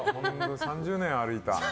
３０年歩いた。